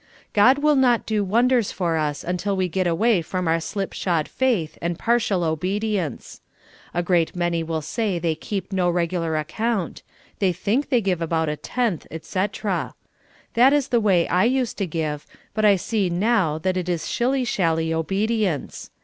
God will not do wonders for us till we get away from our slip shod faith and partial obedience. A great many will say they keep no regular account ; they think they give about a tenth, etc. That is the GIVING THE TENTH. lOI way I used to give, but I see now that is shilly shally obedience.